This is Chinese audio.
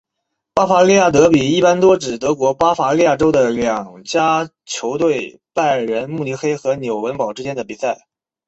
巴伐利亚德比一般多指指德国巴伐利亚州的两家球队拜仁慕尼黑和纽伦堡之间的比赛。